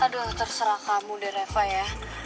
aduh terserah kamu deh reva ya